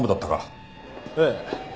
ええ。